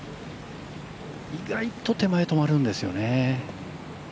意外と手前、止まるんですよね。